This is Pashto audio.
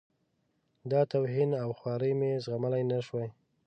دا توهین او خواري مې زغملای نه شوای.